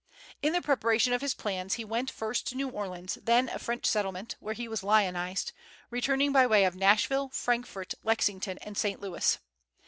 In the preparation of his plans he went first to New Orleans, then a French settlement, where he was lionized, returning by way of Nashville, Frankfort, Lexington, and St. Louis.